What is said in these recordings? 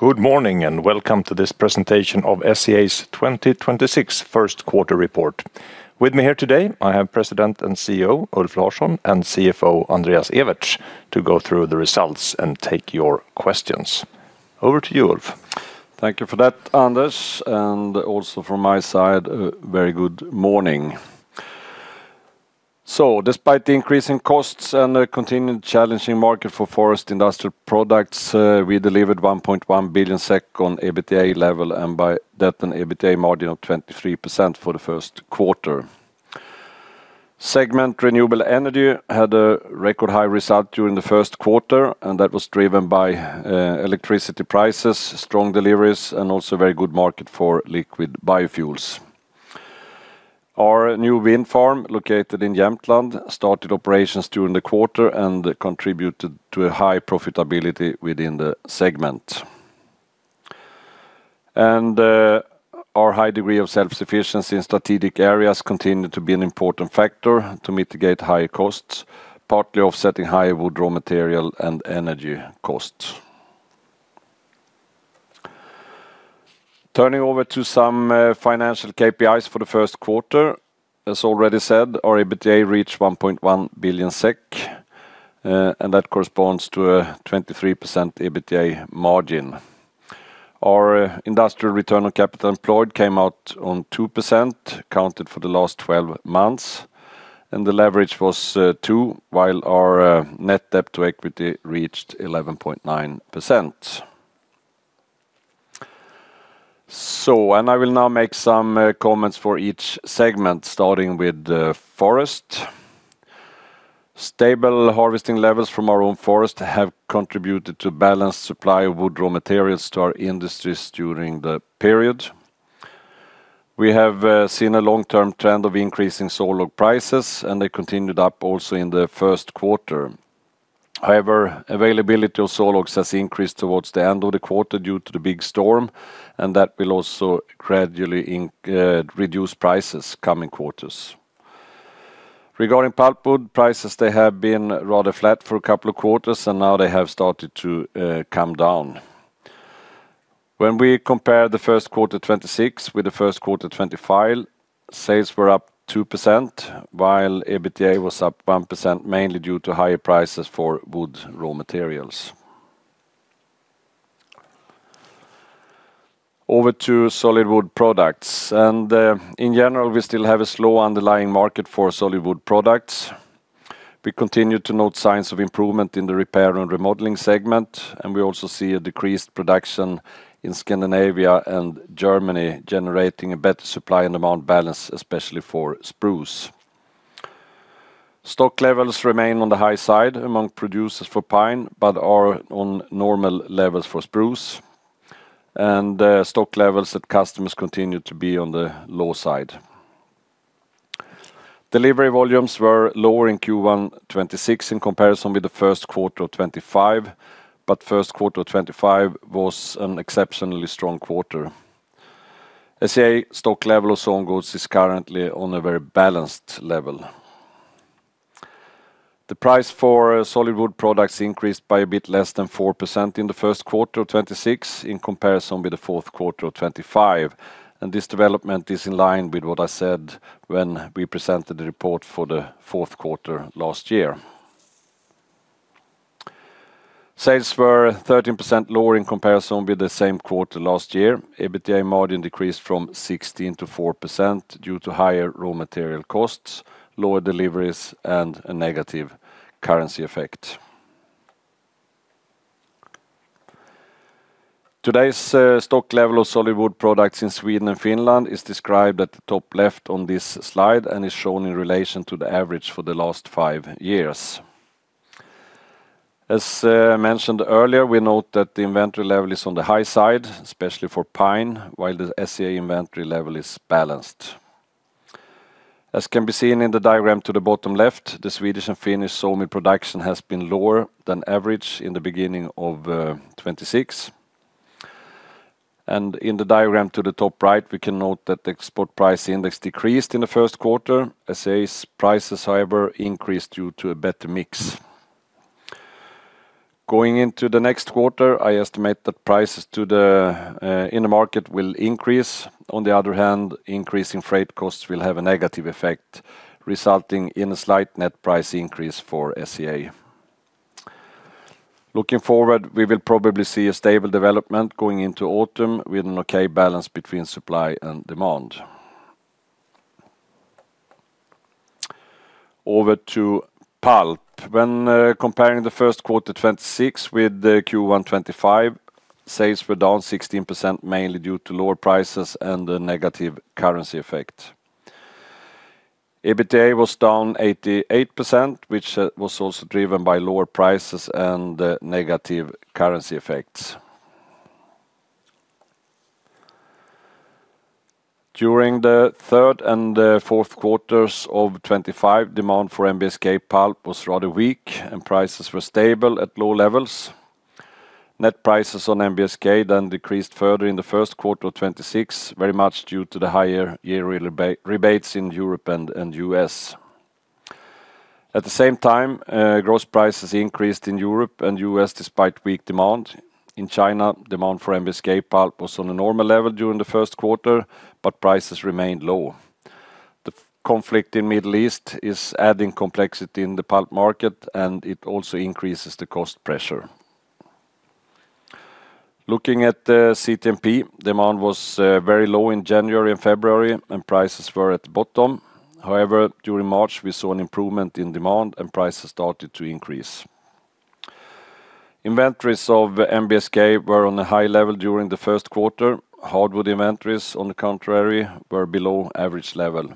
Good morning, and welcome to this presentation of SCA's 2026 first quarter report. With me here today, I have President and CEO Ulf Larsson, and CFO Andreas Ewertz, to go through the results and take your questions. Over to you, Ulf. Thank you for that, Anders, and also from my side, a very good morning. Despite the increase in costs and the continued challenging market for forest industrial products, we delivered 1.1 billion SEK on EBITDA level and by that an EBITDA margin of 23% for the first quarter. Segment for renewable energy had a record high result during the first quarter, and that was driven by electricity prices, strong deliveries, and also a very good market for liquid biofuels. Our new wind farm, located in Jämtland, started operations during the quarter and contributed to a high profitability within the segment. Our high degree of self-sufficiency in strategic areas continued to be an important factor to mitigate higher costs, partly offsetting higher wood raw material and energy costs. Turning over to some financial KPIs for the first quarter. As already said, our EBITDA reached 1.1 billion SEK, and that corresponds to a 23% EBITDA margin. Our industrial return on capital employed came out on 2%, counted for the last 12 months, and the leverage was two, while our net debt to equity reached 11.9%. I will now make some comments for each segment, starting with the forest. Stable harvesting levels from our own forest have contributed to balanced supply of wood raw materials to our industries during the period. We have seen a long-term trend of increasing sawlog prices, and they continued up also in the first quarter. However, availability of sawlogs has increased towards the end of the quarter due to the big storm, and that will also gradually reduce prices coming quarters. Regarding pulpwood prices, they have been rather flat for a couple of quarters, and now they have started to come down. When we compare the first quarter 2026 with the first quarter 2025, sales were up 2%, while EBITDA was up 1%, mainly due to higher prices for wood raw materials. Over to solid wood products. In general, we still have a slow underlying market for solid wood products. We continue to note signs of improvement in the repair and remodeling segment, and we also see a decreased production in Scandinavia and Germany, generating a better supply and amount balance, especially for spruce. Stock levels remain on the high side among producers for pine, but are on normal levels for spruce, and stock levels at customers continue to be on the low side. Delivery volumes were lower in Q1 2026 in comparison with the first quarter of 2025, but first quarter of 2025 was an exceptionally strong quarter. SCA stock level of sawn goods is currently on a very balanced level. The price for solid wood products increased by a bit less than 4% in the first quarter of 2026 in comparison with the fourth quarter of 2025, and this development is in line with what I said when we presented the report for the fourth quarter last year. Sales were 13% lower in comparison with the same quarter last year. EBITDA margin decreased from 16% to 4% due to higher raw material costs, lower deliveries, and a negative currency effect. Today's stock level of solid wood products in Sweden and Finland is described at the top left on this slide and is shown in relation to the average for the last five years. As mentioned earlier, we note that the inventory level is on the high side, especially for pine, while the SCA inventory level is balanced. As can be seen in the diagram to the bottom left, the Swedish and Finnish sawn wood production has been lower than average in the beginning of 2026. In the diagram to the top right, we can note that the export price index decreased in the first quarter. SCA's prices, however, increased due to a better mix. Going into the next quarter, I estimate that prices in the market will increase. On the other hand, increase in freight costs will have a negative effect, resulting in a slight net price increase for SCA. Looking forward, we will probably see a stable development going into autumn with an okay balance between supply and demand. Over to pulp. When comparing the first quarter 2026 with the Q1 2025, sales were down 16%, mainly due to lower prices and a negative currency effect. EBITDA was down 88%, which was also driven by lower prices and negative currency effects. During the third and fourth quarters of 2025, demand for NBSK pulp was rather weak, and prices were stable at low levels. Net prices on NBSK then decreased further in the first quarter of 2026, very much due to the higher year rebates in Europe and U.S. At the same time, gross prices increased in Europe and U.S. despite weak demand. In China, demand for NBSK pulp was on a normal level during the first quarter, but prices remained low. The conflict in the Middle East is adding complexity in the pulp market, and it also increases the cost pressure. Looking at CTMP, demand was very low in January and February, and prices were at the bottom. However, during March, we saw an improvement in demand and prices started to increase. Inventories of the NBSK were on a high level during the first quarter. Hardwood inventories, on the contrary, were below average level.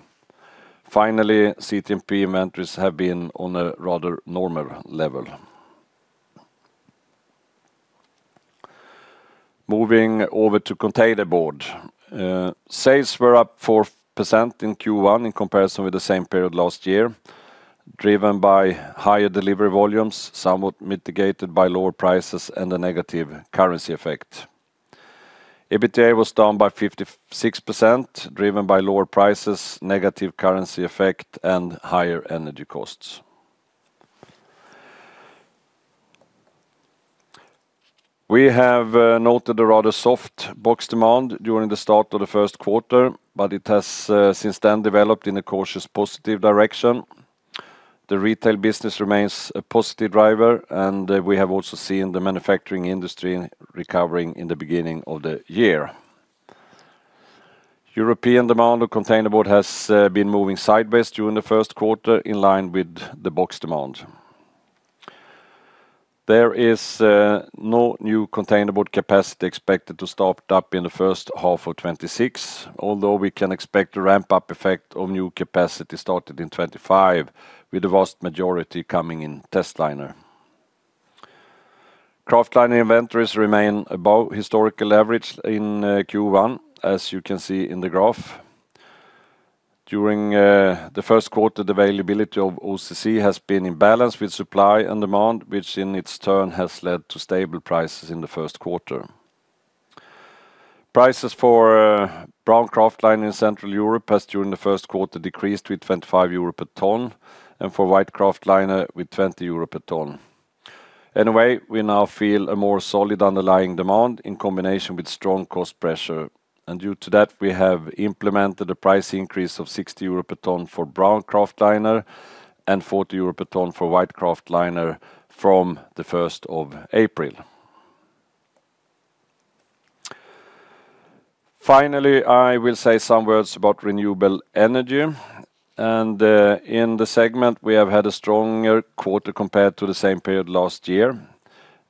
Finally, CTMP inventories have been on a rather normal level. Moving over to containerboard. Sales were up 4% in Q1 in comparison with the same period last year, driven by higher delivery volumes, somewhat mitigated by lower prices and a negative currency effect. EBITDA was down by 56%, driven by lower prices, negative currency effect, and higher energy costs. We have noted a rather soft box demand during the start of the first quarter, but it has since then developed in a cautious, positive direction. The retail business remains a positive driver, and we have also seen the manufacturing industry recovering in the beginning of the year. European demand of containerboard has been moving sideways during the first quarter, in line with the box demand. There is no new containerboard capacity expected to start up in the first half of 2026, although we can expect a ramp-up effect of new capacity started in 2025, with the vast majority coming in testliner. Kraftliner inventories remain above historical average in Q1, as you can see in the graph. During the first quarter, the availability of OCC has been in balance with supply and demand, which in its turn has led to stable prices in the first quarter. Prices for brown Kraftliner in Central Europe has, during the first quarter, decreased with 25 euro per ton, and for white Kraftliner with 20 euro per ton. Anyway, we now feel a more solid underlying demand in combination with strong cost pressure. Due to that, we have implemented a price increase of 60 euro per ton for brown Kraftliner and 40 euro per ton for white Kraftliner from the 1st of April. Finally, I will say some words about renewable energy. In the segment, we have had a stronger quarter compared to the same period last year,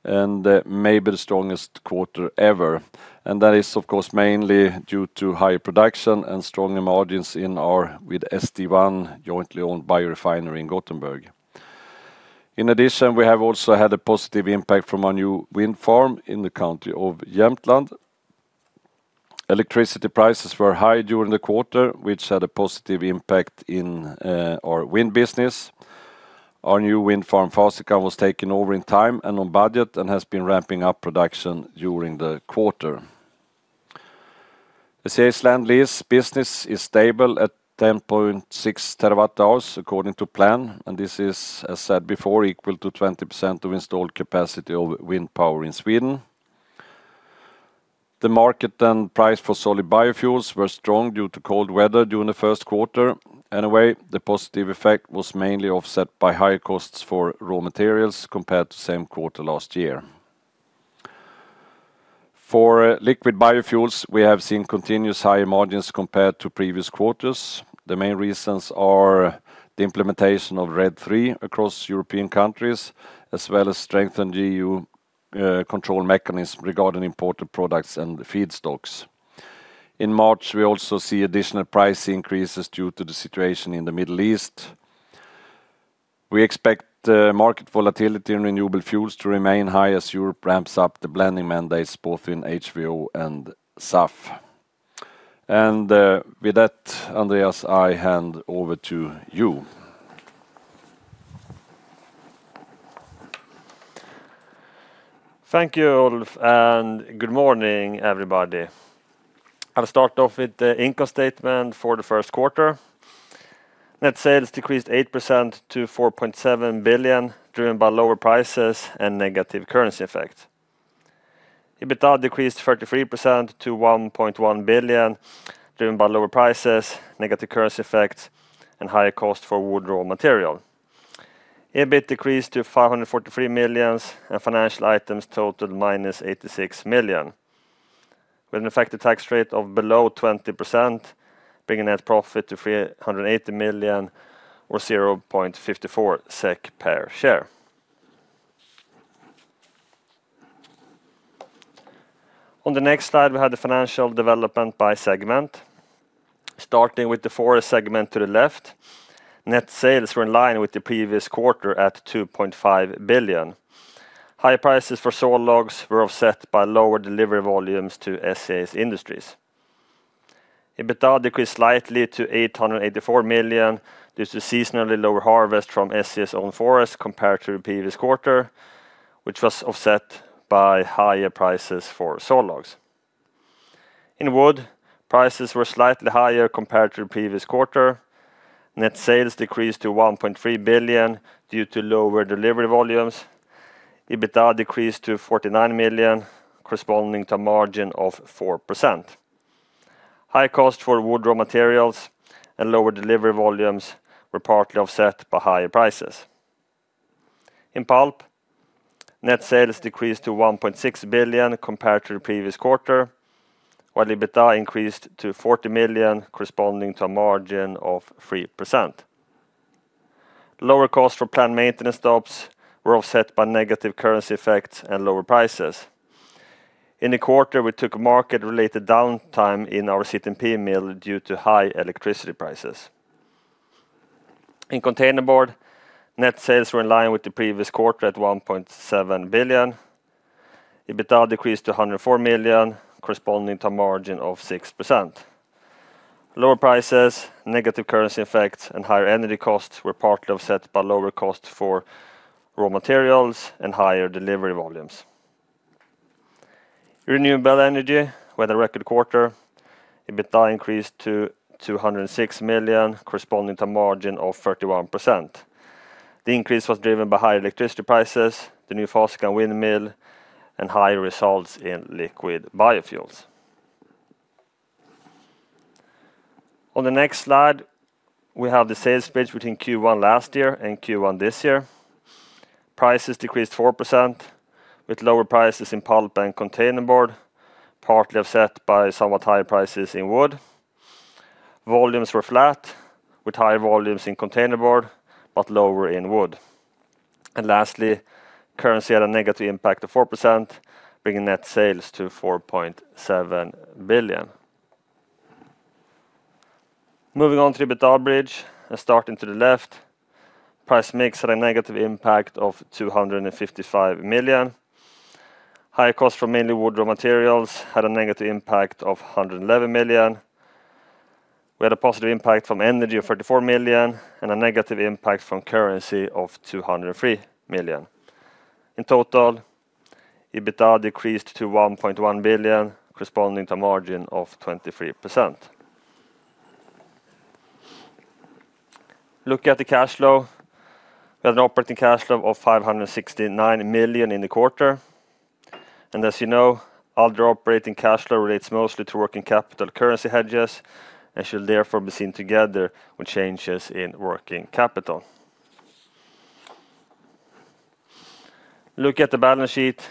and maybe the strongest quarter ever. That is, of course, mainly due to high production and strong margins in our, with St1, jointly owned biorefinery in Gothenburg. In addition, we have also had a positive impact from a new wind farm in the county of Jämtland. Electricity prices were high during the quarter, which had a positive impact in our wind business. Our new wind farm, Fasikan, was taken over in time and on budget and has been ramping up production during the quarter. SCA's land lease business is stable at 10.6 TWh, according to plan, and this is, as said before, equal to 20% of installed capacity of wind power in Sweden. The market and price for solid biofuels were strong due to cold weather during the first quarter. Anyway, the positive effect was mainly offset by higher costs for raw materials compared to same quarter last year. For liquid biofuels, we have seen continuous high margins compared to previous quarters. The main reasons are the implementation of RED III across European countries, as well as strengthened EU control mechanisms regarding imported products and feedstocks. In March, we also see additional price increases due to the situation in the Middle East. We expect market volatility in renewable fuels to remain high as Europe ramps up the blending mandates, both in HVO and SAF. With that, Andreas, I hand over to you. Thank you, Ulf, and good morning, everybody. I'll start off with the income statement for the first quarter. Net sales decreased 8% to 4.7 billion, driven by lower prices and negative currency effect. EBITDA decreased 33% to 1.1 billion, driven by lower prices, negative currency effects, and higher cost for wood raw material. EBIT decreased to 543 million, and financial items totaled -86 million, with an effective tax rate of below 20%, bringing net profit to 380 million or 0.54 SEK per share. On the next slide, we have the financial development by segment. Starting with the forest segment to the left, net sales were in line with the previous quarter at 2.5 billion. High prices for sawlogs were offset by lower delivery volumes to SCA Industries. EBITDA decreased slightly to 884 million, due to seasonally lower harvest from SCA's own forest compared to the previous quarter, which was offset by higher prices for sawlogs. In wood, prices were slightly higher compared to the previous quarter. Net sales decreased to 1.3 billion due to lower delivery volumes. EBITDA decreased to 49 million, corresponding to a margin of 4%. High cost for wood raw materials and lower delivery volumes were partly offset by higher prices. In pulp, net sales decreased to 1.6 billion compared to the previous quarter, while EBITDA increased to 40 million, corresponding to a margin of 3%. Lower costs for planned maintenance stops were offset by negative currency effects and lower prices. In the quarter, we took market-related downtime in our CTMP mill due to high electricity prices. In containerboard, net sales were in line with the previous quarter at 1.7 billion. EBITDA decreased to 104 million, corresponding to a margin of 6%. Lower prices, negative currency effects, and higher energy costs were partly offset by lower costs for raw materials and higher delivery volumes. Renewable energy, with a record quarter, EBITDA increased to 206 million, corresponding to a margin of 31%. The increase was driven by higher electricity prices, the new Fasikan wind farm, and higher results in liquid biofuels. On the next slide, we have the sales split between Q1 last year and Q1 this year. Prices decreased 4%, with lower prices in pulp and containerboard, partly offset by somewhat higher prices in wood. Volumes were flat, with higher volumes in containerboard, but lower in wood. Currency had a negative impact of 4%, bringing net sales to 4.7 billion. Moving on to the EBITDA bridge and starting to the left, price mix had a negative impact of 255 million. Higher costs from mainly wood raw materials had a negative impact of 111 million. We had a positive impact from energy of 34 million and a negative impact from currency of 203 million. In total, EBITDA decreased to 1.1 billion, corresponding to a margin of 23%. Looking at the cash flow, we had an operating cash flow of 569 million in the quarter. As you know, other operating cash flow relates mostly to working capital currency hedges and should therefore be seen together with changes in working capital. Looking at the balance sheet,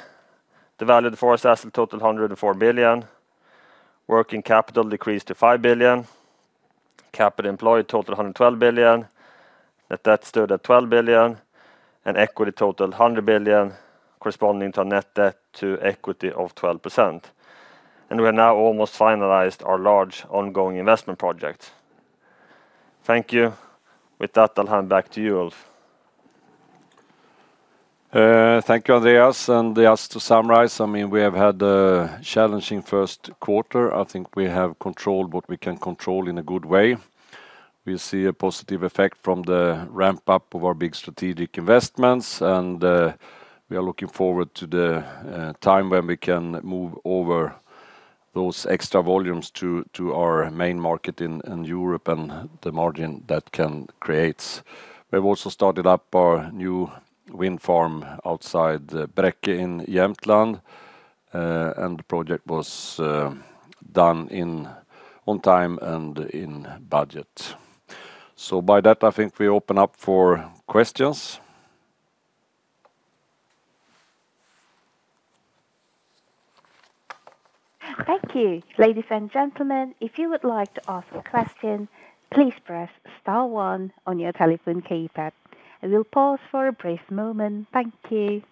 the value of the forest assets total 104 billion. Working capital decreased to 5 billion. Capital employed total, 112 billion. Net debt stood at 12 billion, and equity totaled 100 billion, corresponding to a net debt to equity of 12%. We have now almost finalized our large ongoing investment project. Thank you. With that, I'll hand back to you, Ulf. Thank you, Andreas. Just to summarize, we have had a challenging first quarter. I think we have controlled what we can control in a good way. We see a positive effect from the ramp-up of our big strategic investments, and we are looking forward to the time when we can move over those extra volumes to our main market in Europe and the margin that can create. We've also started up our new wind farm outside Bräcke in Jämtland, and the project was done on time and in budget. By that, I think we open up for questions. Thank you. Ladies and gentlemen, if you would like to ask a question, please press star one on your telephone keypad. I will pause for a brief moment. Thank you.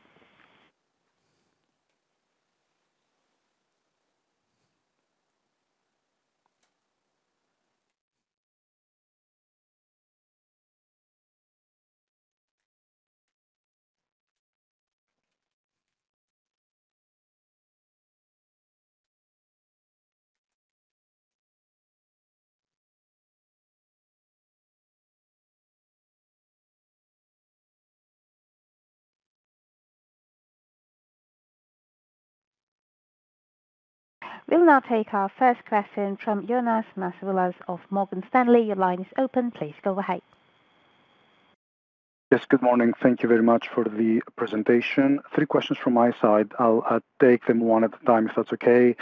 We will now take our first question from Ioannis Masvoulas of Morgan Stanley. Your line is open. Please go ahead. Yes, good morning. Thank you very much for the presentation. Three questions from my side. I'll take them one at a time, if that's okay.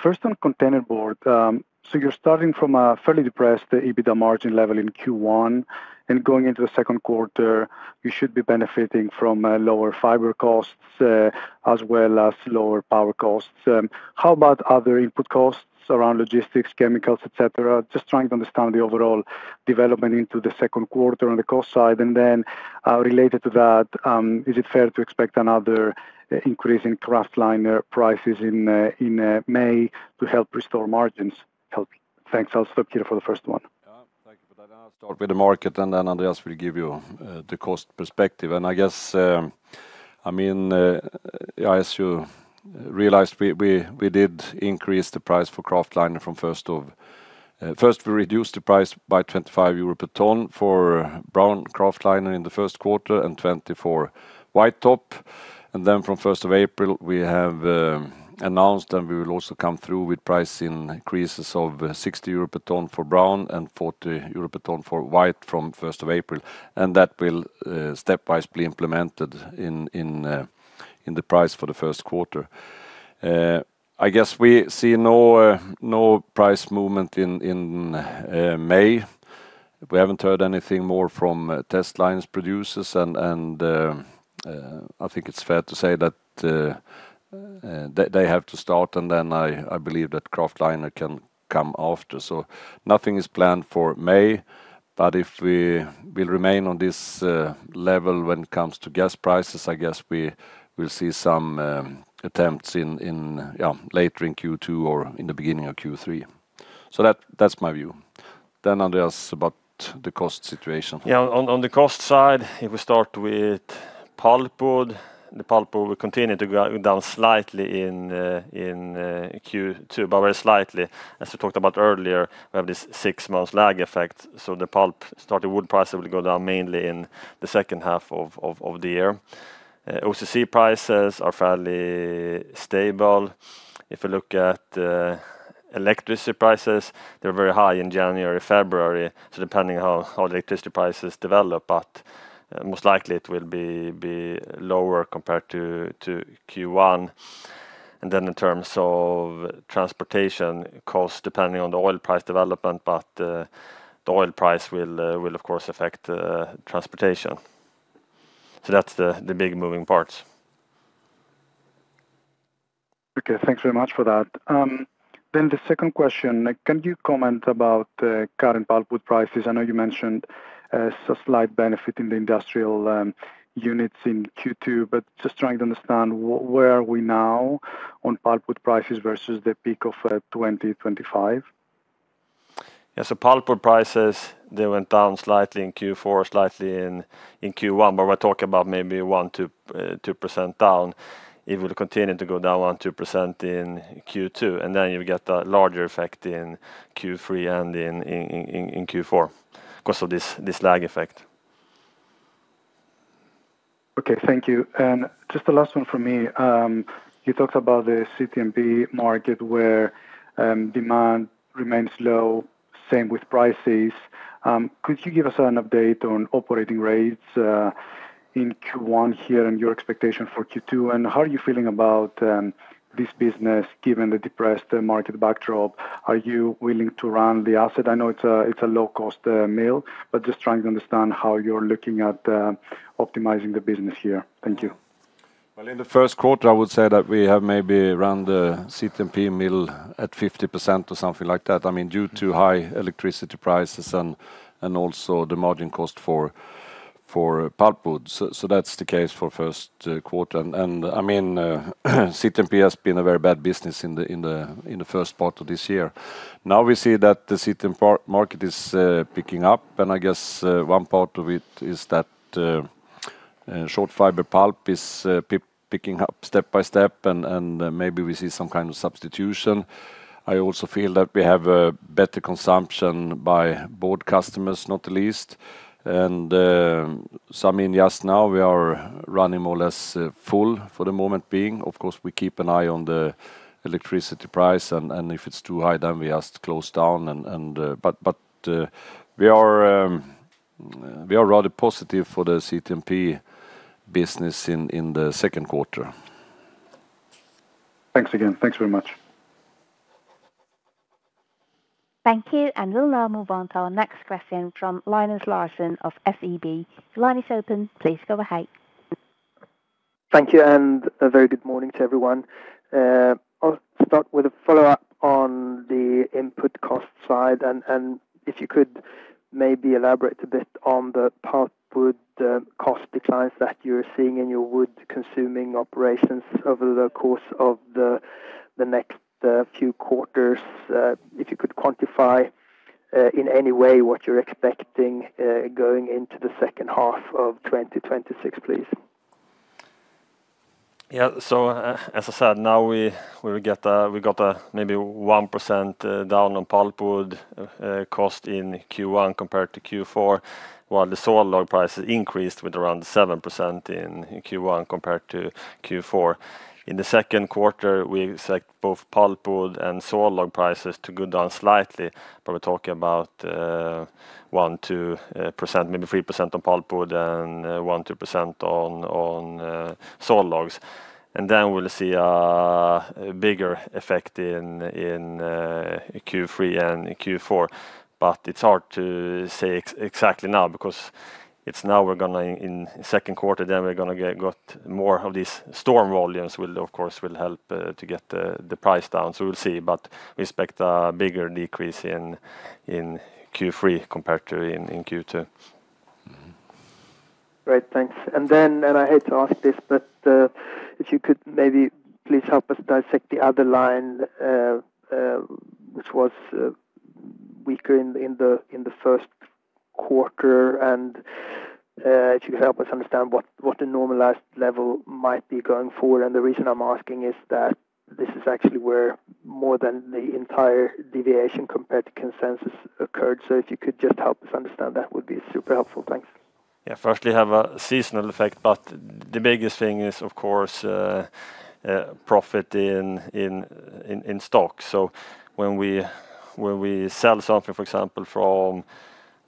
First, on containerboard, so you're starting from a fairly depressed EBITDA margin level in Q1, and going into the second quarter, you should be benefiting from lower fiber costs, as well as lower power costs. How about other input costs around logistics, chemicals, et cetera? Just trying to understand the overall development into the second quarter on the cost side. Related to that, is it fair to expect another increase in Kraftliner prices in May to help restore margins? Thanks. I'll stop here for the first one. Yeah, thank you for that. I'll start with the market, and then Andreas will give you the cost perspective. I guess, as you realized, we did increase the price for Kraftliner from 1st of April. First, we reduced the price by 25 euro per ton for brown Kraftliner in the first quarter and 20 for white top. Then from 1st of April, we have announced and we will also come through with price increases of 60 euro per ton for brown and 40 euro per ton for white from 1st of April. That will stepwise be implemented in the price for the first quarter. I guess we see no price movement in May. We haven't heard anything more from testliner producers, and I think it's fair to say that they have to start, and then I believe that Kraftliner can come after. Nothing is planned for May, but if we'll remain on this level when it comes to gas prices, I guess we'll see some attempts later in Q2 or in the beginning of Q3. That's my view. Andreas, about the cost situation. Yeah. On the cost side, if we start with pulpwood, the pulpwood will continue to go down slightly in Q2, but very slightly. As we talked about earlier, we have this six-month lag effect, so the pulpwood prices will go down mainly in the second half of the year. OCC prices are fairly stable. If you look at electricity prices, they're very high in January, February, so depending how the electricity prices develop, but most likely it will be lower compared to Q1. In terms of transportation cost, depending on the oil price development, but the oil price will of course affect transportation. That's the big moving parts. Okay, thanks very much for that. The second question, can you comment about the current pulpwood prices? I know you mentioned a slight benefit in the industrial units in Q2, but just trying to understand, where are we now on pulpwood prices versus the peak of 2025? Yeah. Pulpwood prices, they went down slightly in Q4, slightly in Q1, but we're talking about maybe 1%, 2% down. It will continue to go down 1%, 2% in Q2, and then you'll get a larger effect in Q3 and in Q4 because of this lag effect. Okay, thank you. Just the last one from me. You talked about the CTMP market where demand remains low, same with prices. Could you give us an update on operating rates, in Q1 here and your expectation for Q2? How are you feeling about this business given the depressed market backdrop? Are you willing to run the asset? I know it's a low-cost mill, but just trying to understand how you're looking at optimizing the business here. Thank you. Well, in the first quarter, I would say that we have maybe around the CTMP mill at 50% or something like that due to high electricity prices and also the marginal cost for pulpwood. That's the case for first quarter. CTMP has been a very bad business in the first part of this year. Now we see that the CTMP market is picking up, and I guess, one part of it is that short fiber pulp is picking up step by step, and maybe we see some kind of substitution. I also feel that we have a better consumption by board customers, not the least. I mean, just now we are running more or less full for the moment being. Of course, we keep an eye on the electricity price, and if it's too high, then we just close down. We are rather positive for the CTMP business in the second quarter. Thanks again. Thanks very much. Thank you, and we'll now move on to our next question from Linus Larsson of SEB. Your line is open. Please go ahead. Thank you, and a very good morning to everyone. I'll start with a follow-up on the input cost side, and if you could maybe elaborate a bit on the pulpwood cost declines that you're seeing in your wood-consuming operations over the course of the next few quarters? If you could quantify, in any way, what you're expecting, going into the second half of 2026, please? Yeah. As I said, now we got maybe 1% down on pulpwood cost in Q1 compared to Q4, while the sawlogs prices increased with around 7% in Q1 compared to Q4. In the second quarter, we expect both pulpwood and sawlogs prices to go down slightly, but we're talking about 1%, 2%, maybe 3% on pulpwood and 1%, 2% on sawlogs. Then we'll see a bigger effect in Q3 and in Q4. It's hard to say exactly now because now we're gonna in second quarter, then we're gonna get more of these storm volumes, which will, of course, help to get the price down. We'll see, but we expect a bigger decrease in Q3 compared to in Q2. Great. Thanks. I hate to ask this, but if you could maybe please help us dissect the other line, which was weaker in the first quarter, and if you could help us understand what the normalized level might be going forward. The reason I'm asking is that this is actually where more than the entire deviation compared to consensus occurred. If you could just help us understand, that would be super helpful. Thanks. Firstly, we have a seasonal effect, but the biggest thing is, of course, profit in stock. When we sell something, for example, from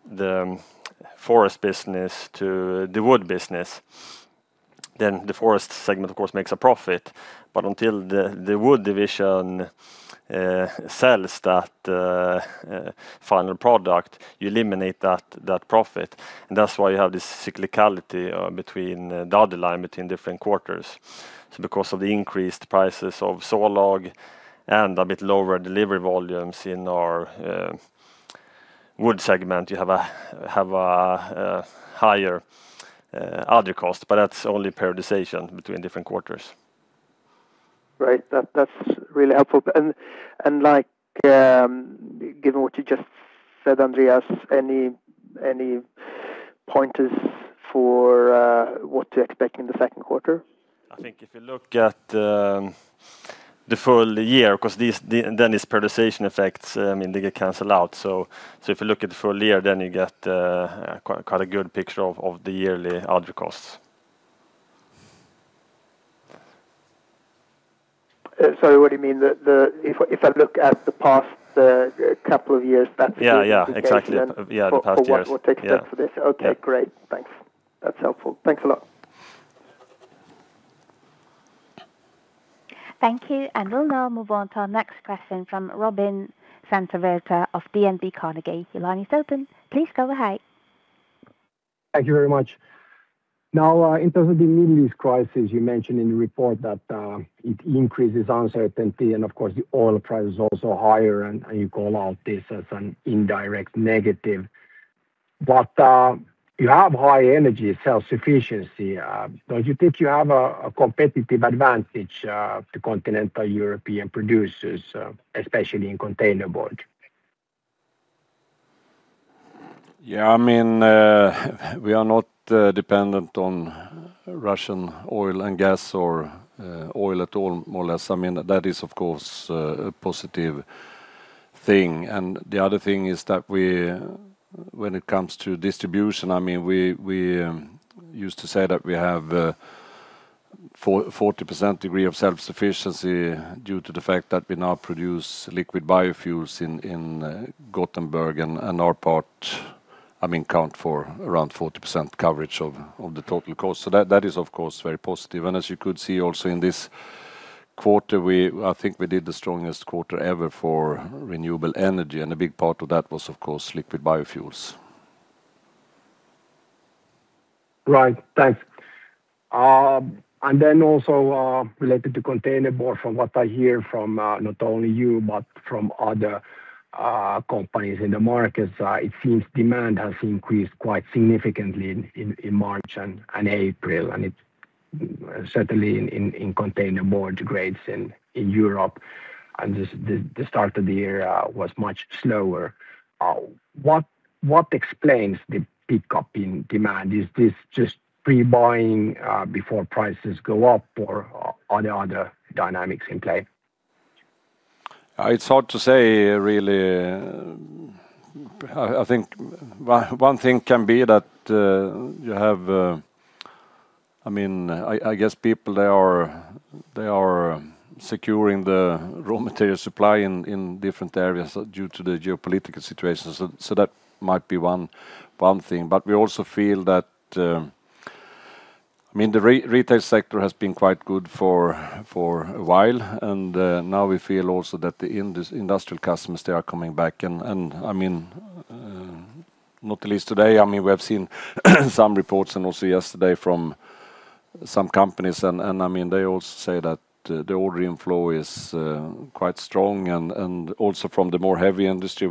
the forest business to the wood business, then the forest segment, of course, makes a profit. Until the wood division sells that final product, you eliminate that profit. That's why you have this cyclicality in the bottom line between different quarters. Because of the increased prices of sawlogs and a bit lower delivery volumes in our wood segment, you have a higher other cost, but that's only periodization between different quarters. Right. That's really helpful. Given what you just said, Andreas, any pointers for what to expect in the second quarter? I think if you look at the full year, because then these periodization effects, they get canceled out. If you look at the full year, then you get quite a good picture of the yearly other costs. Sorry, what do you mean? If I look at the past couple of years, that's Yeah, exactly. for what to expect for this? Yeah. Okay, great. Thanks. That's helpful. Thanks a lot. Thank you. We'll now move on to our next question from Robin Santavirta of DNB Carnegie. Your line is open. Please go ahead. Thank you very much. Now, in terms of the Middle East crisis, you mentioned in the report that it increases uncertainty, and of course the oil price is also higher and you call out this as an indirect negative. You have high energy self-sufficiency. Don't you think you have a competitive advantage to continental European producers, especially in containerboard? Yeah, we are not dependent on Russian oil and gas or oil at all, more or less. That is, of course, a positive thing. The other thing is that when it comes to distribution, we used to say that we have 40% degree of self-sufficiency due to the fact that we now produce liquid biofuels in Gothenburg and on our part, count for around 40% coverage of the total cost. That is, of course, very positive. As you could see also in this quarter, I think we did the strongest quarter ever for renewable energy. A big part of that was, of course, liquid biofuels. Right. Thanks. Also, related to containerboard, from what I hear from not only you but from other companies in the market, it seems demand has increased quite significantly in March and April, and it's certainly in containerboard grades in Europe, and the start of the year was much slower. What explains the pickup in demand? Is this just pre-buying before prices go up or are there other dynamics in play? It's hard to say, really. I think one thing can be that you have, I guess, people, they are securing the raw material supply in different areas due to the geopolitical situation. That might be one thing. We also feel that the retail sector has been quite good for a while, and now we feel also that the industrial customers, they are coming back. Not least today, we have seen some reports, and also yesterday, from some companies, and they all say that the order inflow is quite strong, and also from the more heavy industry,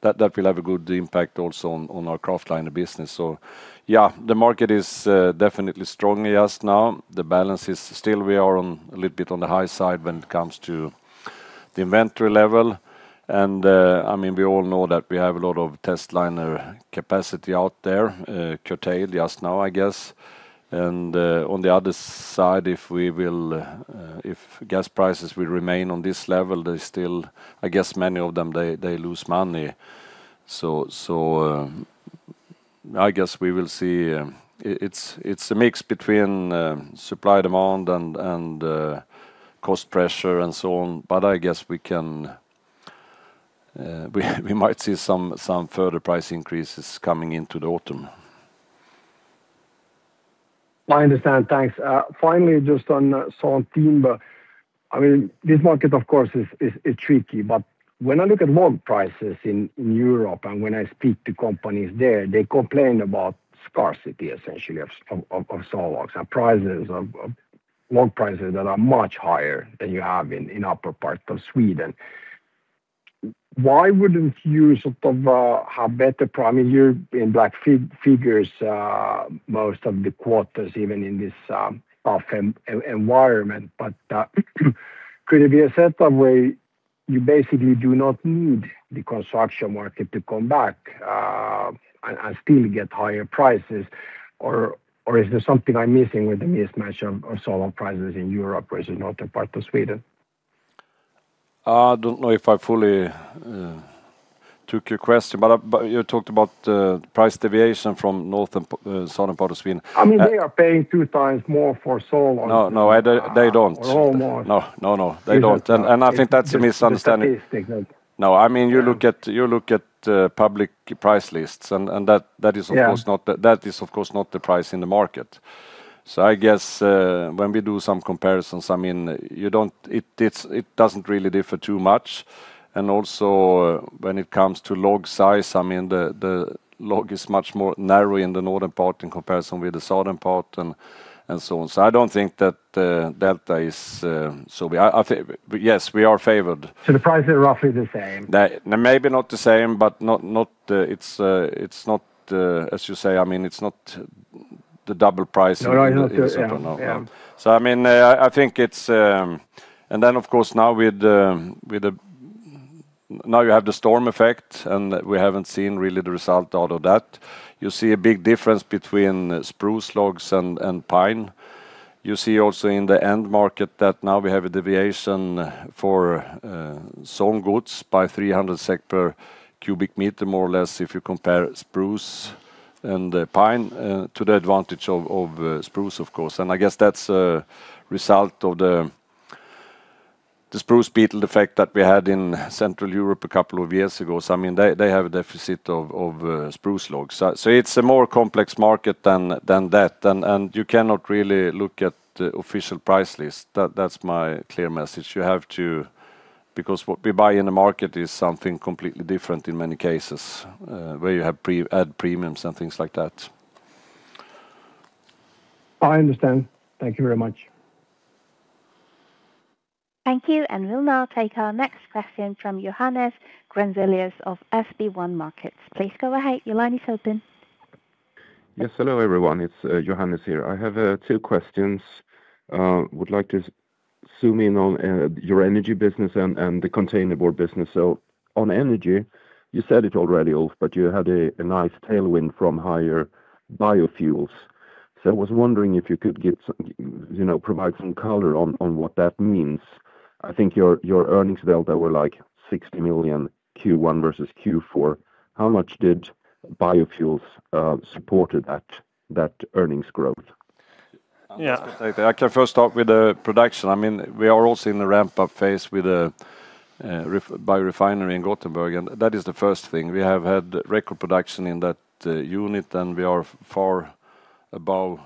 that will have a good impact also on our Kraftliner business. Yeah, the market is definitely strong just now. The balance is still we are a little bit on the high side when it comes to the inventory level. We all know that we have a lot of testliner capacity out there, curtailed just now, I guess. On the other side, if gas prices will remain on this level, I guess many of them, they lose money. I guess we will see. It's a mix between supply, demand, and cost pressure and so on, but I guess we might see some further price increases coming into the autumn. I understand. Thanks. Finally, just on saw timber. This market, of course, is tricky, but when I look at log prices in Europe and when I speak to companies there, they complain about scarcity essentially of sawlogs and log prices that are much higher than you have in upper parts of Sweden. Why wouldn't you sort of have better, primarily in black figures, most of the quarters, even in this tough environment, but could it be a certain way? You basically do not need the construction market to come back and still get higher prices. Or is there something I'm missing with the mismatch of sawn prices in Europe versus northern part of Sweden? I don't know if I fully took your question, but you talked about the price deviation from northern, southern part of Sweden. They are paying two times more for sawn. No, they don't. or more. No, they don't. I think that's a misunderstanding. The statistics. No, you look at public price lists and that is of course not the price in the market. I guess, when we do some comparisons, it doesn't really differ too much. Also when it comes to log size, the log is much more narrow in the northern part in comparison with the southern part and so on. I don't think that delta is. Yes, we are favored. The prices are roughly the same. They're maybe not the same, but it's not, as you say, it's not the double price. No, I know. Yeah. Of course, now you have the storm effect, and we haven't seen really the result out of that. You see a big difference between spruce logs and pine. You see also in the end market that now we have a deviation for sawn goods by 300 SEK per cubic meter, more or less, if you compare spruce and pine, to the advantage of spruce, of course. I guess that's a result of the spruce beetle effect that we had in Central Europe a couple of years ago. They have a deficit of spruce logs. It's a more complex market than that. You cannot really look at the official price list. That's my clear message. You have to, because what we buy in the market is something completely different in many cases, where you have add premiums and things like that. I understand. Thank you very much. Thank you. We'll now take our next question from Johannes Grunselius of SB1 Markets. Please go ahead. Your line is open. Yes. Hello, everyone. It's Johannes here. I have two questions. I would like to zoom in on your energy business and the containerboard business. On energy, you said it already, Ulf, but you had a nice tailwind from higher biofuels. I was wondering if you could provide some color on what that means. I think your earnings delta were like 60 million Q1 versus Q4. How much did biofuels supported that earnings growth? Yeah. I can first start with the production. We are also in the ramp-up phase with the biorefinery in Gothenburg, and that is the first thing. We have had record production in that unit and we are far above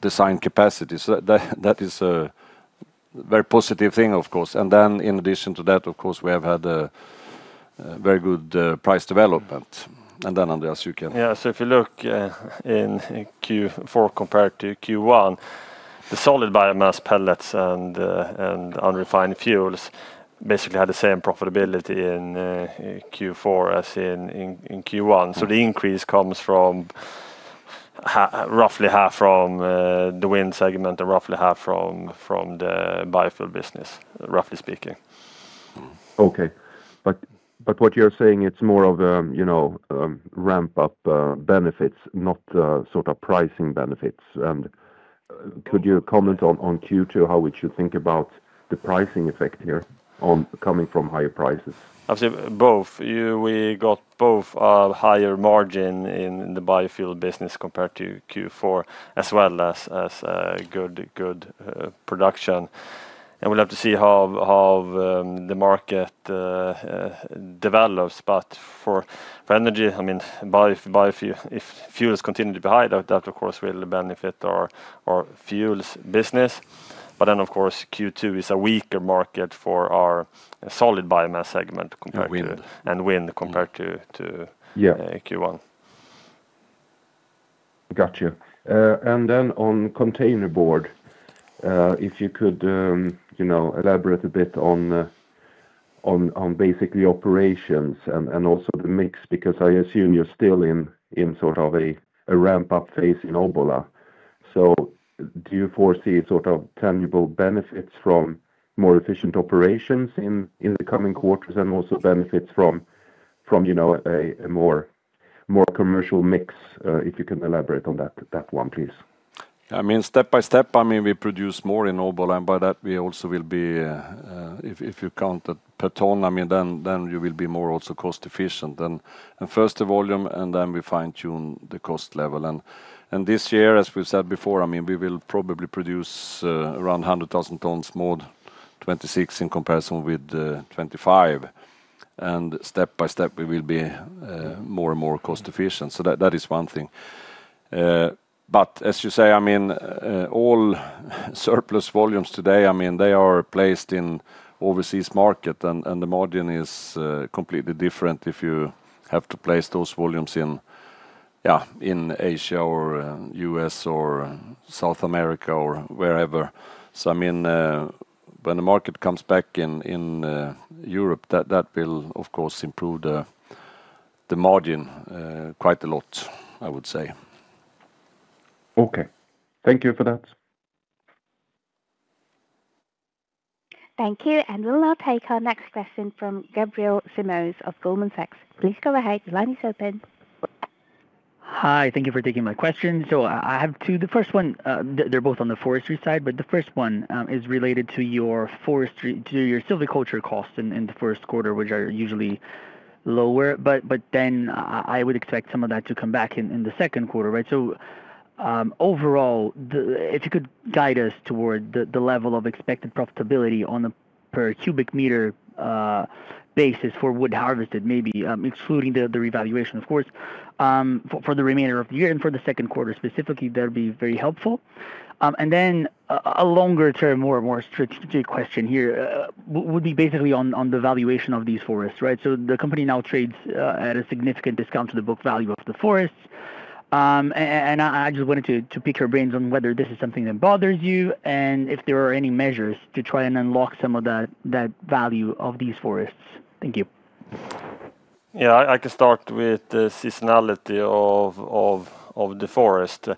design capacity. That is a very positive thing, of course. In addition to that, of course, we have had a very good price development. Andreas, you can- Yeah. If you look in Q4 compared to Q1, the solid biomass pellets and unrefined fuels basically had the same profitability in Q4 as in Q1. The increase comes roughly half from the wind segment and roughly half from the biofuel business, roughly speaking. Okay. What you're saying, it's more of ramp-up benefits, not pricing benefits. Could you comment on Q2, how we should think about the pricing effect here coming from higher prices? I'd say both. We got both a higher margin in the biofuel business compared to Q4, as well as a good production. We'll have to see how the market develops. For energy, if fuels continue to be high, that of course will benefit our fuels business. Of course, Q2 is a weaker market for our solid biomass segment compared to- wind Wind compared to Q1. Yeah. Got you. On containerboard, if you could elaborate a bit on basically operations and also the mix, because I assume you're still in sort of a ramp-up phase in Obbola. Do you foresee tangible benefits from more efficient operations in the coming quarters and also benefits from a more commercial mix? If you can elaborate on that one, please. Step by step, we produce more in Obbola, and by that, we also will be, if you count it per ton, then you will be more also cost efficient. First the volume and then we fine tune the cost level. This year, as we've said before, we will probably produce around 100,000 tons more in 2026 in comparison with 2025. Step by step we will be more and more cost efficient. That is one thing. As you say, all surplus volumes today, they are placed in overseas market and the margin is completely different if you have to place those volumes in Asia or U.S. or South America or wherever. When the market comes back in Europe, that will, of course, improve the margin quite a lot, I would say. Okay. Thank you for that. Thank you, and we'll now take our next question from Gabriel Simões of Goldman Sachs. Please go ahead. The line is open. Hi. Thank you for taking my question. I have two. They're both on the forestry side, but the first one is related to your forestry, to your silviculture cost in the first quarter, which are usually lower, but then I would expect some of that to come back in the second quarter, right? Overall, if you could guide us toward the level of expected profitability on a per cubic meter basis for wood harvested, maybe excluding the revaluation, of course, for the remainder of the year and for the second quarter specifically, that'd be very helpful. A longer-term, more strategic question here, would be basically on the valuation of these forests, right? The company now trades at a significant discount to the book value of the forests. I just wanted to pick your brains on whether this is something that bothers you and if there are any measures to try and unlock some of that value of these forests. Thank you. Yeah. I can start with the seasonality of the forest.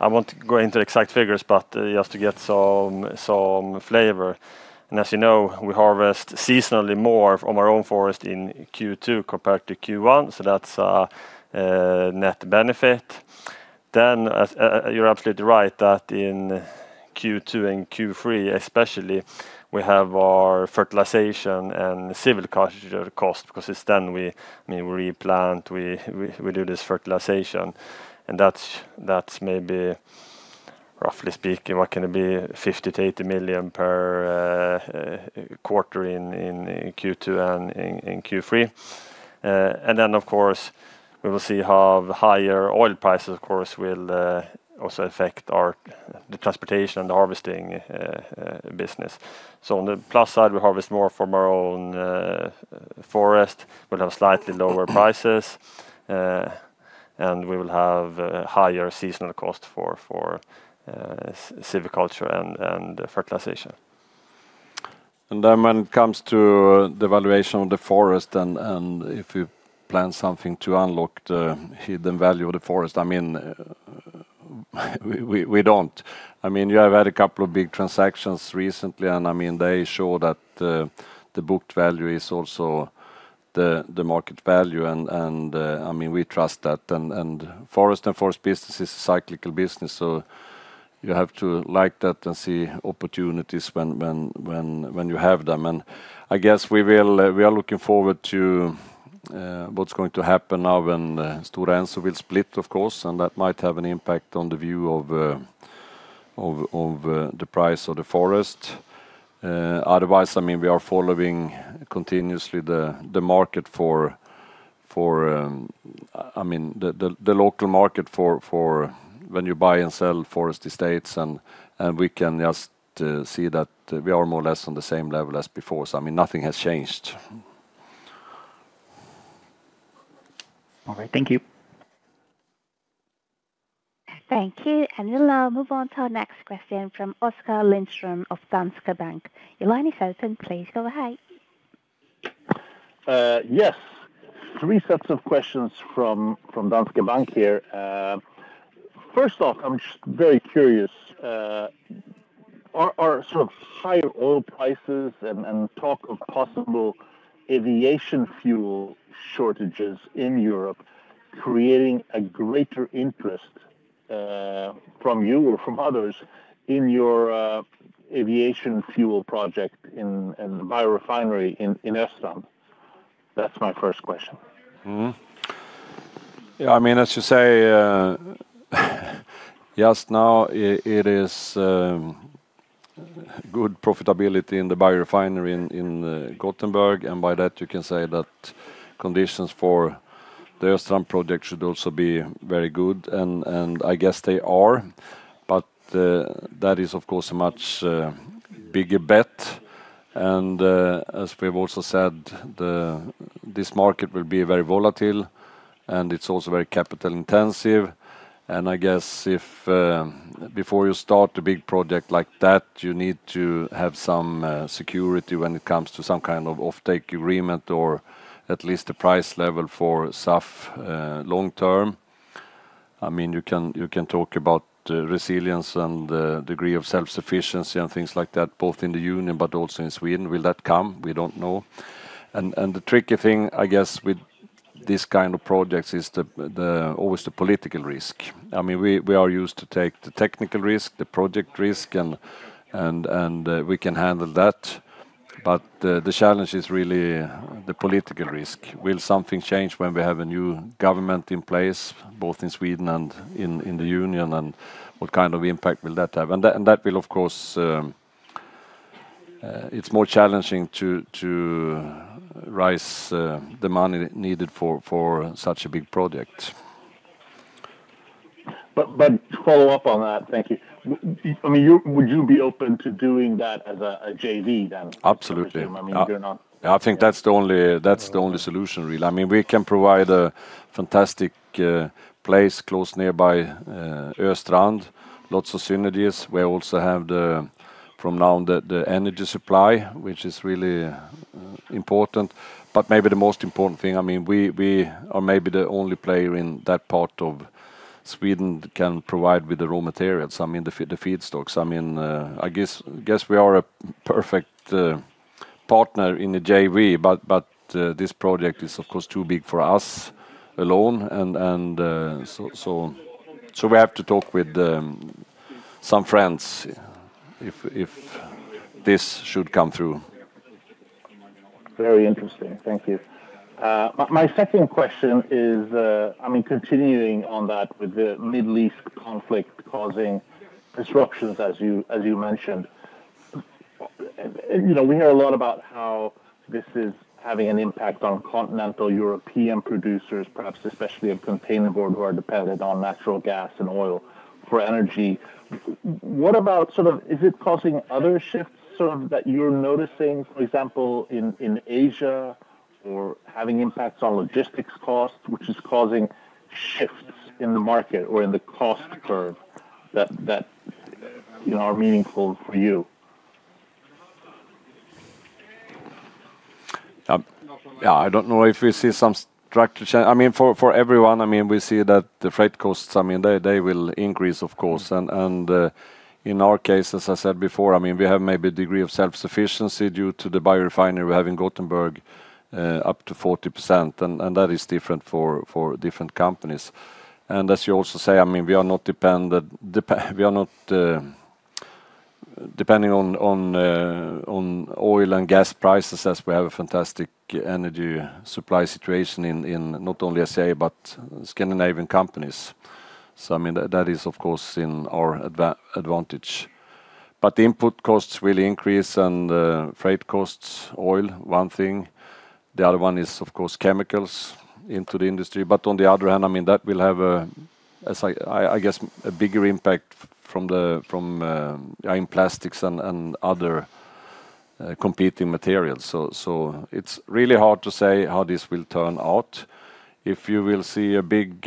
I won't go into exact figures, but just to get some flavor. As you know, we harvest seasonally more from our own forest in Q2 compared to Q1, so that's a net benefit. You're absolutely right that in Q2 and Q3 especially, we have our fertilization and silviculture cost, because it's then we replant, we do this fertilization, and that's maybe roughly speaking, what can it be, 50 million-80 million per quarter in Q2 and Q3. Of course, we will see how the higher oil prices, of course, will also affect the transportation and the harvesting business. On the plus side, we harvest more from our own forest. We'll have slightly lower prices, and we will have higher seasonal cost for silviculture and fertilization. When it comes to the valuation of the forest and if we plan something to unlock the hidden value of the forest, we don't. You have had a couple of big transactions recently, and they show that the booked value is also the market value, and we trust that. Forest and forest business is a cyclical business, so you have to like that and see opportunities when you have them. I guess we are looking forward to what's going to happen now when Stora Enso will split, of course, and that might have an impact on the view of the price of the forest. Otherwise, we are following continuously the local market for when you buy and sell forest estates, and we can just see that we are more or less on the same level as before. Nothing has changed. All right. Thank you. Thank you. We'll now move on to our next question from Oskar Lindström of Danske Bank. Your line is open. Please go ahead. Yes. Three sets of questions from Danske Bank here. First off, I'm just very curious, are higher oil prices and talk of possible aviation fuel shortages in Europe creating a greater interest from you or from others in your aviation fuel project in biorefinery in Östrand? That's my first question. Yeah, I should say, just now it is good profitability in the biorefinery in Gothenburg, and by that you can say that conditions for the Östrand project should also be very good, and I guess they are. That is, of course, a much bigger bet. As we've also said, this market will be very volatile, and it's also very capital intensive. I guess if before you start a big project like that, you need to have some security when it comes to some kind of offtake agreement or at least a price level for SAF long term. You can talk about resilience and degree of self-sufficiency and things like that, both in the Union but also in Sweden. Will that come? We don't know. The tricky thing, I guess, with this kind of projects is always the political risk. We are used to take the technical risk, the project risk, and we can handle that. The challenge is really the political risk. Will something change when we have a new government in place, both in Sweden and in the Union, and what kind of impact will that have? That will of course. It's more challenging to raise the money needed for such a big project. To follow up on that. Thank you. Would you be open to doing that as a JV then? Absolutely. I presume, I mean, you're not. Yeah, I think that's the only solution, really. We can provide a fantastic place close nearby Östrand. Lots of synergies. We also have from now the energy supply, which is really important, but maybe the most important thing, we are maybe the only player in that part of Sweden can provide with the raw materials, the feedstocks. I guess we are a perfect partner in the JV, but this project is, of course, too big for us alone. We have to talk with some friends if this should come through. Very interesting. Thank you. My second question is, continuing on that with the Middle East conflict causing disruptions as you mentioned. We hear a lot about how this is having an impact on continental European producers, perhaps especially of containerboard, who are dependent on natural gas and oil for energy. Is it causing other shifts, sort of, that you're noticing, for example, in Asia or having impacts on logistics costs, which is causing shifts in the market or in the cost curve that are meaningful for you? Yeah. I don't know if we see some structure change. For everyone, we see that the freight costs, they will increase, of course. In our case, as I said before, we have maybe a degree of self-sufficiency due to the biorefinery we have in Gothenburg, up to 40%, and that is different for different companies. As you also say, we are not depending on oil and gas prices, as we have a fantastic energy supply situation in not only SCA, but Scandinavian companies. That is, of course, in our advantage. Input costs will increase, and, freight costs, oil, one thing. The other one is, of course, chemicals into the industry. On the other hand, that will have a, I guess, a bigger impact from the plastics and other competing materials. It's really hard to say how this will turn out. If you will see a big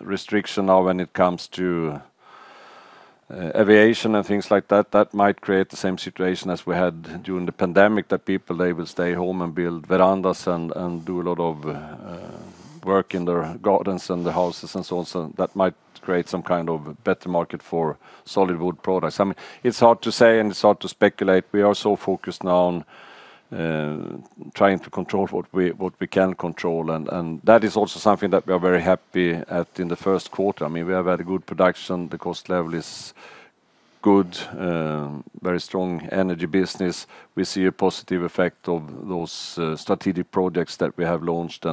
restriction now when it comes to aviation and things like that might create the same situation as we had during the pandemic, that people, they will stay home and build verandas and do a lot of work in their gardens and the houses and so on. That might create some kind of better market for solid wood products. It's hard to say, and it's hard to speculate. We are so focused now on trying to control what we can control, and that is also something that we are very happy at in the first quarter. We have had a good production. The cost level is good, very strong energy business. We see a positive effect of those strategic projects that we have launched,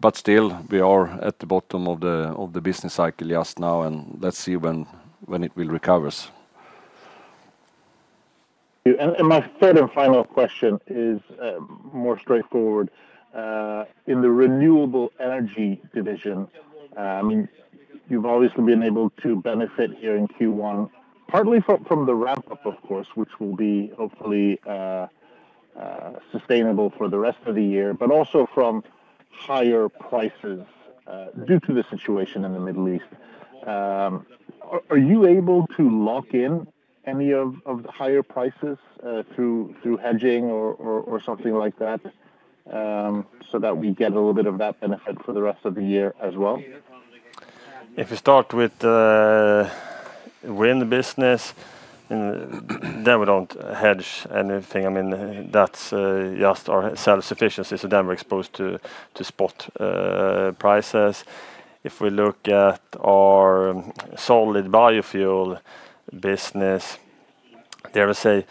but still, we are at the bottom of the business cycle just now, and let's see when it will recover. My third and final question is more straightforward. In the renewable energy division, you've obviously been able to benefit here in Q1, partly from the ramp-up, of course, which will be hopefully sustainable for the rest of the year, but also from higher prices, due to the situation in the Middle East. Are you able to lock in any of the higher prices, through hedging or something like that, so that we get a little bit of that benefit for the rest of the year as well? If you start with the wind business, and there we don't hedge anything. That's just our self-sufficiency, so then we're exposed to spot prices. If we look at our solid biofuel business, there I say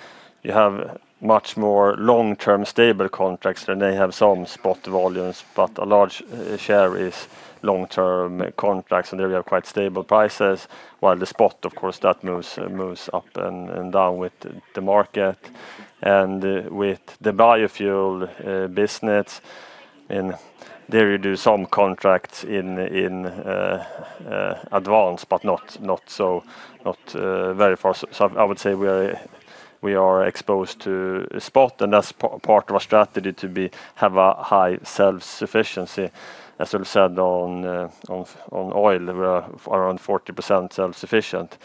you have much more long-term stable contracts, and they have some spot volumes, but a large share is long-term contracts, and there we have quite stable prices. While the spot, of course, that moves up and down with the market. With the biofuel business, there you do some contracts in advance, but not very far. I would say we are exposed to spot, and that's part of our strategy to have a high self-sufficiency. As I said, on oil, we are around 40% self-sufficient.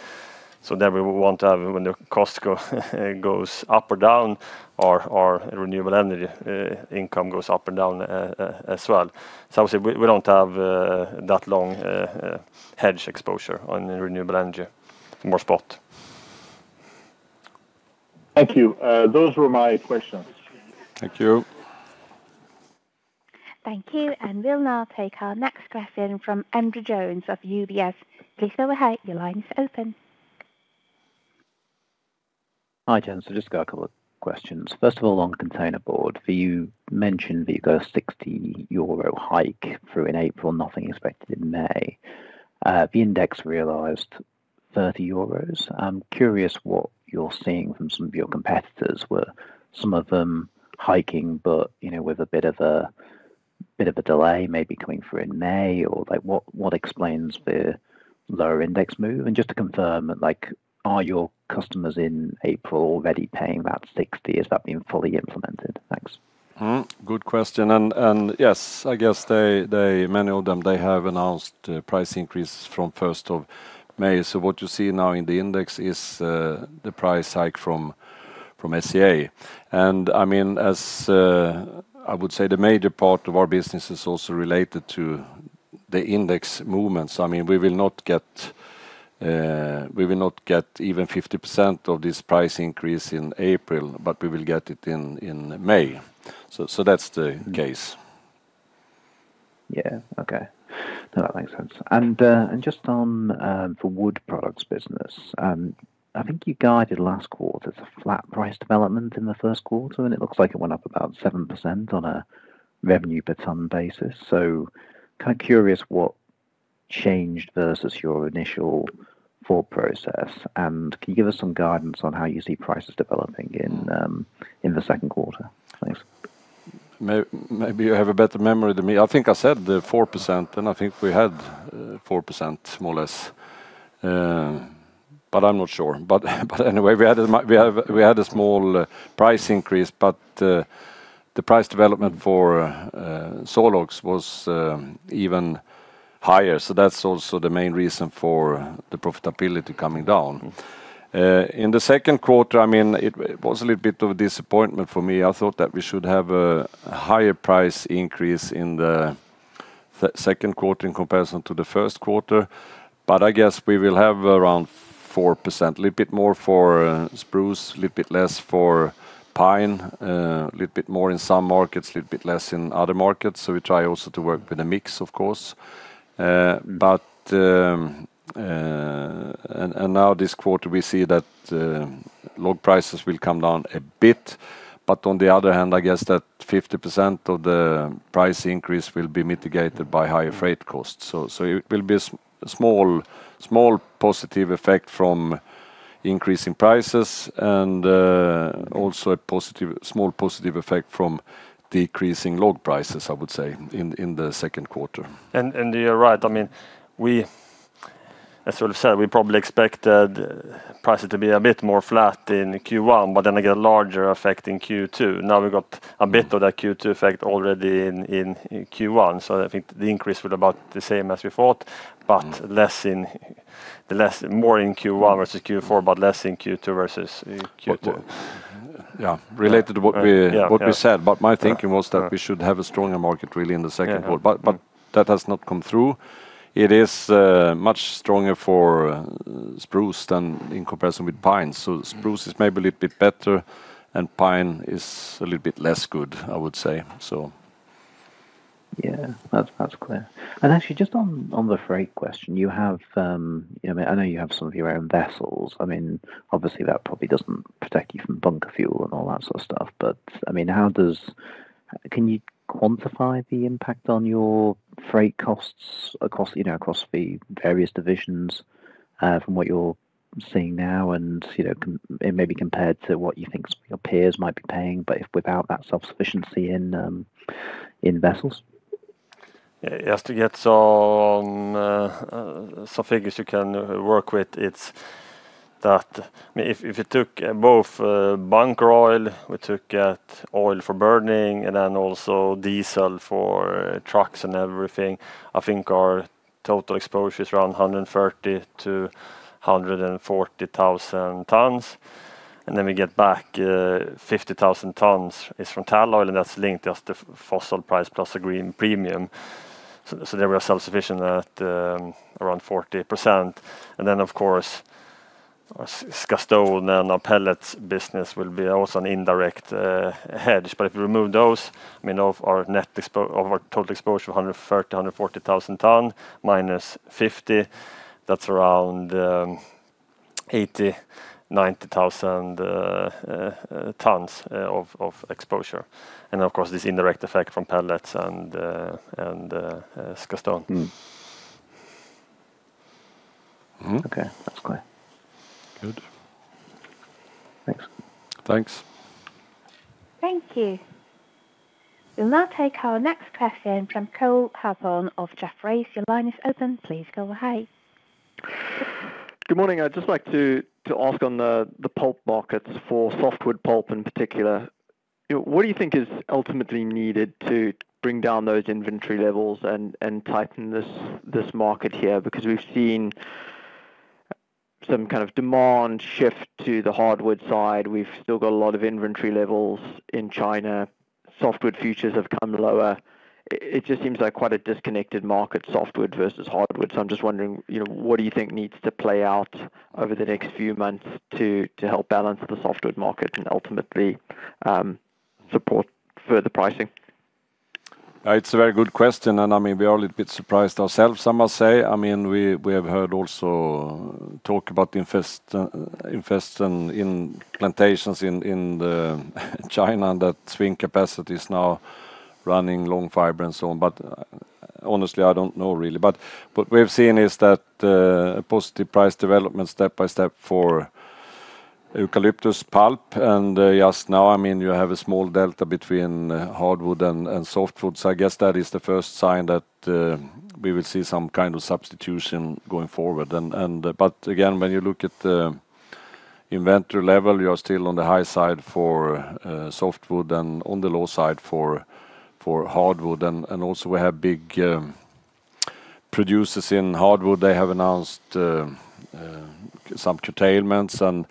We would want to have, when the cost goes up or down, our renewable energy income goes up and down as well. Obviously, we don't have that long hedge exposure on the renewable energy. More spot. Thank you. Those were my questions. Thank you. Thank you, and we'll now take our next question from Andrew Jones of UBS. Please go ahead. Your line's open. Hi, gents. I've just got a couple of questions. First of all, on containerboard, you mentioned that you got a 60 euro hike through in April, nothing expected in May. The index realized 30 euros. I'm curious what you're seeing from some of your competitors. Were some of them hiking but, with a bit of a delay, maybe coming through in May? Or what explains the lower index move? Just to confirm, are your customers in April already paying that 60? Has that been fully implemented? Good question. Yes, I guess many of them, they have announced price increases from 1st of May. What you see now in the index is the price hike from SCA. As I would say, the major part of our business is also related to the index movements. We will not get even 50% of this price increase in April, but we will get it in May. That's the case. Yeah. Okay. No, that makes sense. Just on the wood products business, I think you guided last quarter, it's a flat price development in the first quarter, and it looks like it went up about 7% on a revenue per ton basis. Curious what changed versus your initial thought process, and can you give us some guidance on how you see prices developing in the second quarter? Thanks. Maybe you have a better memory than me. I think I said 4%, and I think we had 4%, more or less. I'm not sure. Anyway, we had a small price increase, but the price development for sawlogs was even higher. That's also the main reason for the profitability coming down. In the second quarter, it was a little bit of a disappointment for me. I thought that we should have a higher price increase in the second quarter in comparison to the first quarter. I guess we will have around 4%, a little bit more for spruce, a little bit less for pine, a little bit more in some markets, a little bit less in other markets. We try also to work with a mix, of course. Now this quarter, we see that log prices will come down a bit. On the other hand, I guess that 50% of the price increase will be mitigated by higher freight costs. It will be a small positive effect from increasing prices and also a small positive effect from decreasing log prices, I would say, in the second quarter. You're right. As Ulf said, we probably expected prices to be a bit more flat in Q1, but then again, a larger effect in Q2. Now we've got a bit of that Q2 effect already in Q1. I think the increase was about the same as we thought, more in Q1 versus Q4, but less in Q2 versus Q4. Yeah. Related to what we said. Yeah. My thinking was that we should have a stronger market really in the second quarter. Yeah. That has not come through. It is much stronger for spruce in comparison with pine. Spruce is maybe a little bit better and pine is a little bit less good, I would say. Yeah. That's clear. Actually, just on the freight question, I know you have some of your own vessels. Obviously, that probably doesn't protect you from bunker fuel and all that sort of stuff. Can you quantify the impact on your freight costs across the various divisions, from what you're seeing now and, it may be compared to what you think your peers might be paying, but without that self-sufficiency in vessels? Just to get some figures you can work with, if you took both bunker oil, we took oil for burning and then also diesel for trucks and everything, I think our total exposure is around 130,000-140,000 tons. Then we get back 50,000 tons is from tall oil, and that's linked just to fossil price plus a green premium. There we are self-sufficient at around 40%. Then, of course, our Skogberget and our pellets business will be also an indirect hedge. If you remove those, our total exposure, 130,000-140,000 ton -50, that's around 80,000-90,000 tons of exposure. Of course, this indirect effect from pellets and Skogberget. Okay. That's clear. Good. Thanks. Thanks. Thank you. We'll now take our next question from Cole Hathorn of Jefferies. Your line is open. Please go ahead. Good morning. I'd just like to ask on the pulp markets for softwood pulp in particular, what do you think is ultimately needed to bring down those inventory levels and tighten this market here? Because we've seen some kind of demand shift to the hardwood side. We've still got a lot of inventory levels in China. Softwood futures have come lower. It just seems like quite a disconnected market, softwood versus hardwood. I'm just wondering, what do you think needs to play out over the next few months to help balance the softwood market and ultimately, support further pricing? It's a very good question, and we are a little bit surprised ourselves, I must say. We have heard also talk about the investment in plantations in China, and that swing capacity is now running long fiber and so on. Honestly, I don't know really. What we have seen is that a positive price development step-by-step for eucalyptus pulp. Just now, you have a small delta between hardwood and softwood. I guess that is the first sign that we will see some kind of substitution going forward. Again, when you look at the inventory level, you are still on the high side for softwood and on the low side for hardwood. Also we have big producers in hardwood. They have announced some curtailments. On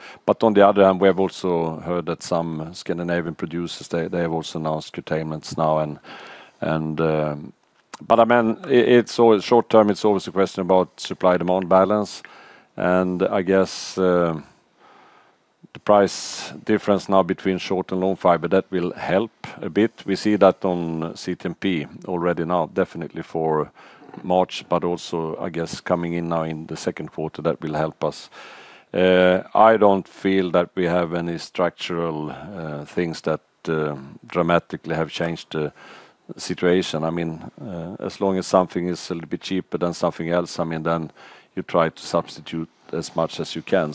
the other hand, we have also heard that some Scandinavian producers, they have also announced curtailments now. Short-term, it's always a question about supply-demand balance. I guess the price difference now between short and long fiber, that will help a bit. We see that on CTMP already now, definitely for March, but also, I guess, coming in now in the second quarter, that will help us. I don't feel that we have any structural things that dramatically have changed the situation. As long as something is a little bit cheaper than something else, then you try to substitute as much as you can.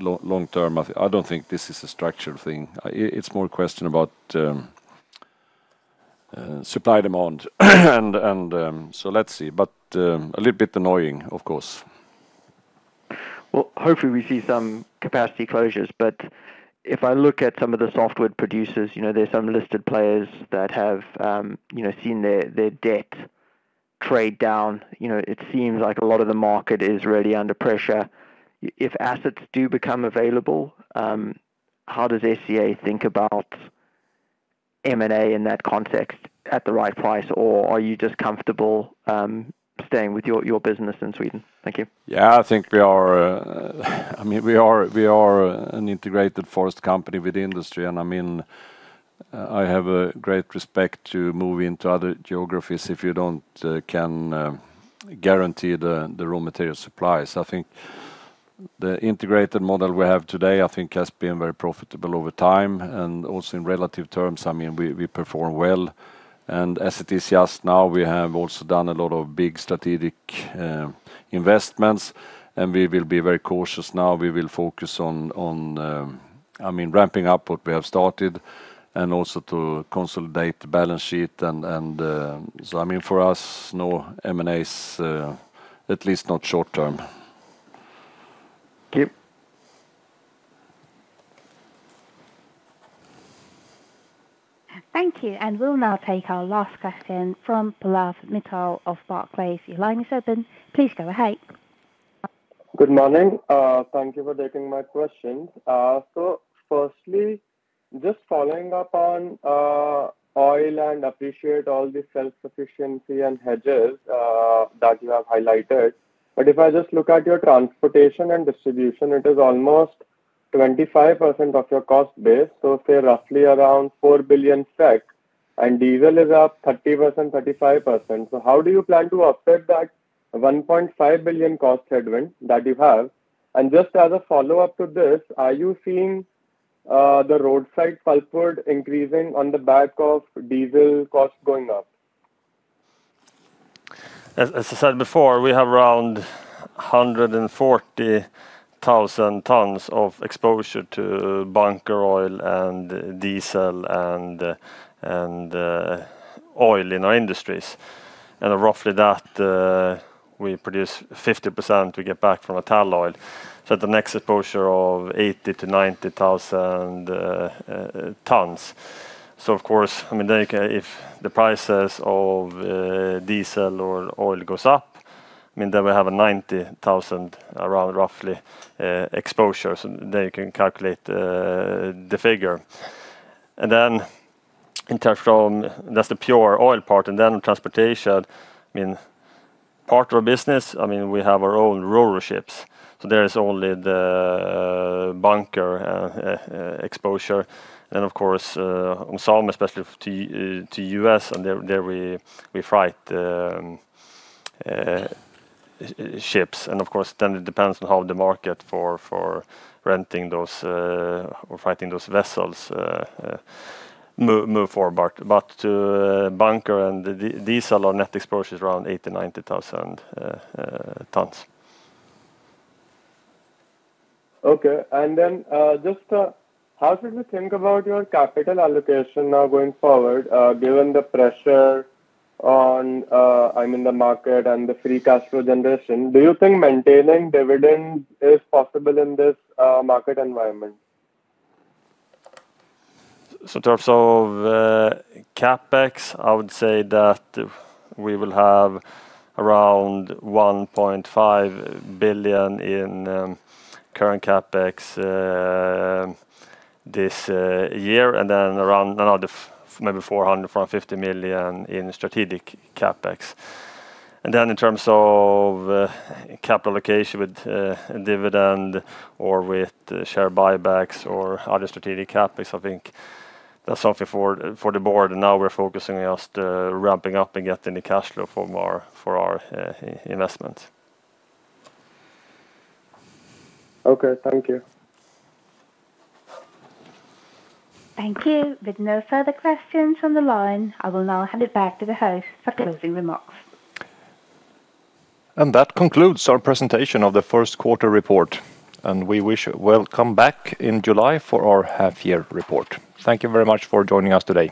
Long-term, I don't think this is a structural thing. It's more a question about supply, demand, and so let's see. A little bit annoying, of course. Well, hopefully we see some capacity closures, but if I look at some of the softwood producers, there's some listed players that have seen their debt trade down. It seems like a lot of the market is really under pressure. If assets do become available, how does SCA think about M&A in that context at the right price? Or are you just comfortable staying with your business in Sweden? Thank you. Yeah, I think we are an integrated forest company with industry, and I have a great respect to move into other geographies if you can't guarantee the raw material supplies. I think the integrated model we have today, I think has been very profitable over time and also in relative terms, we perform well. As it is just now, we have also done a lot of big strategic investments, and we will be very cautious now. We will focus on ramping up what we have started and also to consolidate the balance sheet, so for us, no M&As, at least not short term. Okay. Thank you, and we'll now take our last question from Pallav Mittal of Barclays. Your line is open. Please go ahead. Good morning. Thank you for taking my questions. Firstly, just following up on oil and appreciate all the self-sufficiency and hedges, that you have highlighted. If I just look at your transportation and distribution, it is almost 25% of your cost base. Say roughly around 4 billion, and diesel is up 30%-35%. How do you plan to offset that 1.5 billion cost headwind that you have? Just as a follow-up to this, are you seeing the roadside pulpwood increasing on the back of diesel costs going up? As I said before, we have around 140,000 tons of exposure to bunker oil and diesel and oil in our industries. Roughly half that, we produce 50% we get back from tall oil. The net exposure of 80,000-90,000 tons. Of course, if the prices of diesel or oil goes up, then we have around 90,000 roughly exposures, then you can calculate the figure. That's the pure oil part, and then transportation part of our business, we have our own ro-ro ships, so there is only the bunker exposure. Of course, some especially to U.S., and there we freight ships, and of course then it depends on how the market for renting those, or freighting those vessels, move forward. To bunker and diesel, our net exposure is around 80,000-90,000 tons. Okay. Just how should we think about your capital allocation now going forward, given the pressure on the market and the free cash flow generation? Do you think maintaining dividend is possible in this market environment? In terms of CapEx, I would say that we will have around 1.5 billion in current CapEx this year, and then around another maybe 400 million-450 million in strategic CapEx. In terms of capital allocation with dividend or with share buybacks or other strategic CapEx, I think that's something for the board. Now we're focusing just ramping up and getting the cash flow for our investments. Okay. Thank you. Thank you. With no further questions on the line, I will now hand it back to the host for closing remarks. That concludes our presentation of the first quarter report, and we wish you welcome back in July for our half-year report. Thank you very much for joining us today.